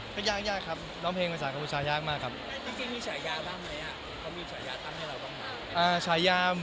ก็ยากยากครับร้องเพลงภาษากัมพูชายากมากครับ